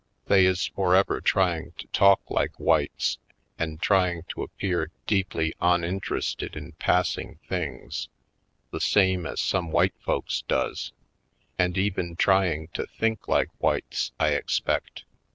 They is forever trying to talk like whites and trying to appear deeply onin terested in passing things, the same as some white folks does, and even trying to think like whites, I expect.